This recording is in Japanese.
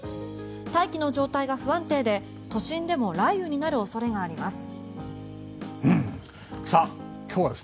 大気の状態が不安定で、都心でも雷雨になる恐れがあります。